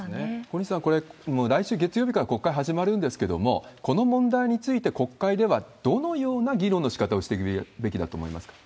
小西さん、これ、もう来週月曜日から国会始まるんですけれども、この問題について、国会ではどのような議論のしかたをしていくべきだと思いますか？